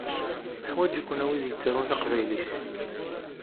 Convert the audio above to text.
Neḥwaǧ-iken, a wid yettarun taqbaylit.